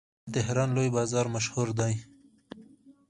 د تهران لوی بازار مشهور دی.